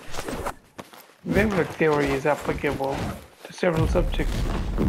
Wavelet theory is applicable to several subjects.